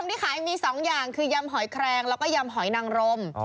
ที่ขายมี๒อย่างคือยำหอยแครงแล้วก็ยำหอยนางรม